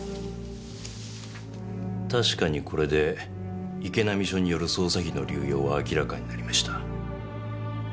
確かにこれで池波署による捜査費の流用は明らかになりました。